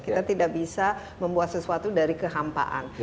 kita tidak bisa membuat sesuatu dari kehampaan